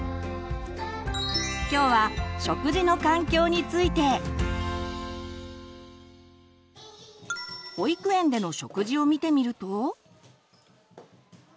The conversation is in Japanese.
今日は保育園での食事を見てみると。